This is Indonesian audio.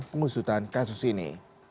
pengusutan kasus ini